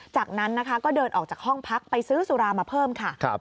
จากนั้นนะคะก็เดินออกจากห้องพักไปซื้อสุรามาเพิ่มค่ะ